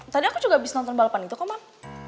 tadi aku juga abis nonton balapan itu kok man